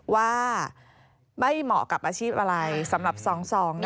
ว่าไม่เหมาะกับอาชีพอะไรสำหรับ๒๒